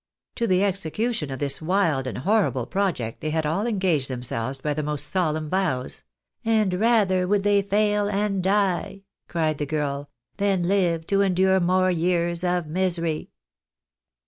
To the execution of this wild and horrible project they had all engaged themselves by the most solemn vows ;" and rather would they fail and die," cried the girl,. " than live to endure more years of misery."